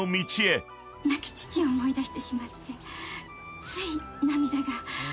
「亡き父を思い出してしまってつい涙が」